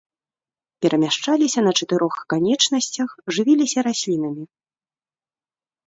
Перамяшчаліся на чатырох канечнасцях, жывіліся раслінамі.